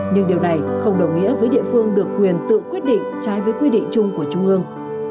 nhưng điều này không đồng nghĩa với địa phương được quyền tự quyết định trái với quy định chung của trung ương